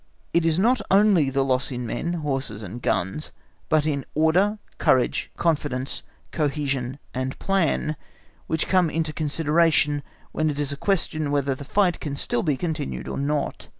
It is not only the loss in men, horses and guns, but in order, courage, confidence, cohesion and plan, which come into consideration when it is a question whether the fight can be still continued or not.